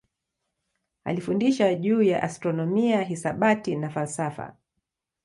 Alifundisha juu ya astronomia, hisabati na falsafa.